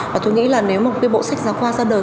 và tôi nghĩ là nếu một cái bộ sách giáo khoa ra đời